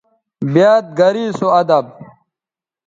بیاد گرے سو اداب